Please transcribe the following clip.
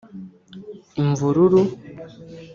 ‘Imvururu’